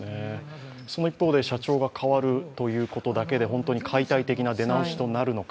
その一方で社長が代わるということで本当に解体的な出直しとなるのか。